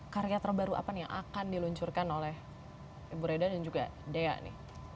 karya terbaru apa nih yang akan diluncurkan oleh ibu reda dan juga dea nih